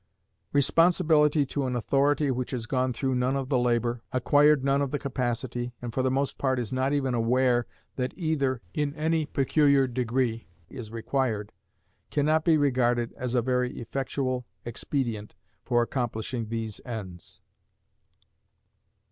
Responsibility to an authority which has gone through none of the labor, acquired none of the capacity, and for the most part is not even aware that either, in any peculiar degree, is required, can not be regarded as a very effectual expedient for accomplishing these ends.